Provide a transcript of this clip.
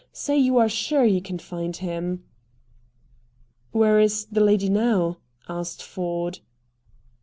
Say you are sure you can find him." "Where is the lady now?" asked Ford.